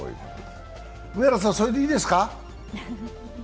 上原さん、それでいいですか？